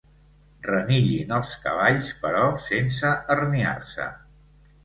Renillin els cavalls, però sense herniar-se.